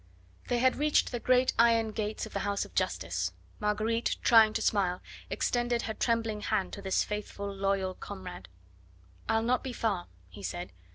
They had reached the great iron gates of the house of Justice. Marguerite, trying to smile, extended her trembling hand to this faithful, loyal comrade. "I'll not be far," he said.